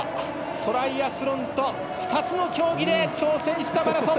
トライアスロンと２つの競技で挑戦したマラソン。